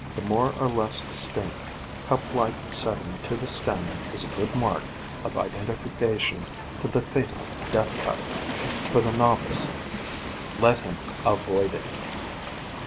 The more or less distinct cup like setting to the stem is a good mark of identification to the fatal Death Cup, for the nov ice. Let him avoid it.